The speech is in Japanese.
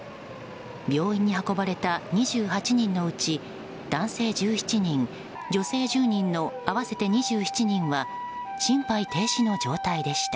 病院に運ばれた２８人のうち男性１７人、女性１０人の合わせて２７人は心肺停止の状態でした。